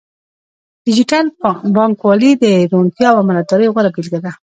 ډیجیټل بانکوالي د روڼتیا او امانتدارۍ غوره بیلګه ده.